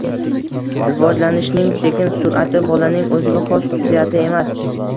Rivojlanishning sekin sur’ati bolaning o‘ziga xos xususiyati emas.